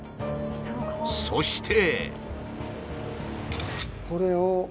そして。